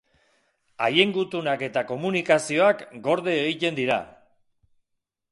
Haien gutunak eta komunikazioak gorde egiten dira.